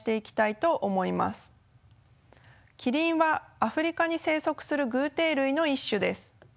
キリンはアフリカに生息する偶てい類の一種です。